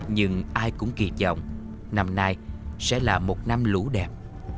nhưng ai cũng kỳ vọng năm nay sẽ là một năm lũ đẹp